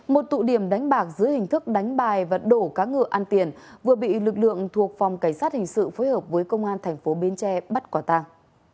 một tụ điểm đánh bạc dưới hình thức đánh bài và đổ cá ngựa ăn tiền vừa bị lực lượng thuộc phòng cảnh sát hình sự phối hợp với công an thành phố bến tre bắt quả tàng